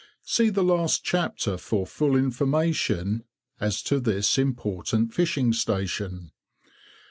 See the last chapter for full information as to this important fishing station.